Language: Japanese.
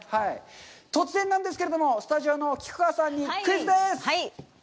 突然なんですけれども、スタジオの菊川さんにクイズです！